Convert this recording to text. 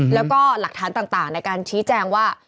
แล้วก็หลักฐานต่างในการชี้แจงว่า